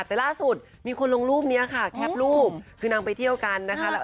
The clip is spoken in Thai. แต่ล่าสุดมีคนลงรูปนี้ค่ะแคปรูปคือนางไปเที่ยวกันนะคะ